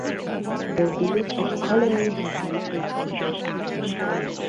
The village of Coolaney has no church within it.